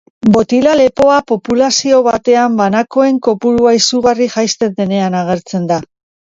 Botila-lepoa populazio batean banakoen kopurua izugarri jaisten denean agertzen da.